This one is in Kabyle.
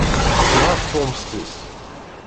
Tenɣa-t tuɣmest-is.